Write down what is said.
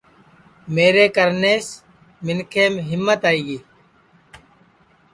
میرے کرنیس منکھیم ہیمت آئی گی